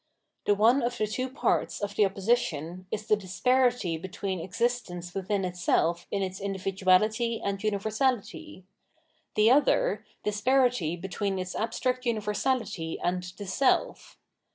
The one of the two parts of the opposition is the disparity between existence within itself in its individuality and universahty ; the other, disparity between its abstract universality and the self.